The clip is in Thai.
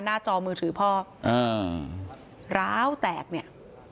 หน้าจอมือถือพ่อร้าวแตกเนี่ย